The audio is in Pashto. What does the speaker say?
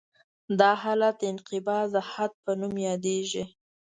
دا حالت د انقباض د حد په نوم یادیږي